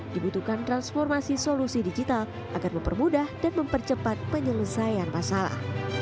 dibutuhkan transformasi solusi digital agar mempermudah dan mempercepat penyelesaian masalah